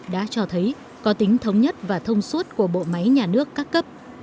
đã cho thấy có tính thống nhất và thông suốt của bộ máy nhà nước các cấp